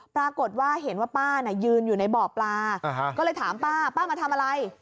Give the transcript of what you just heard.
ปรากฏว่าเห็นว่าป้าน่ะยืนอยู่ในบ่อปลาก็เลยถามป้าป้ามาทำอะไร